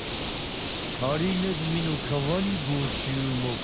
ハリネズミのかわにごちゅうもく。